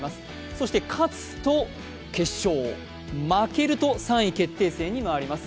そして勝つと決勝、負けると３位決定戦に回ります。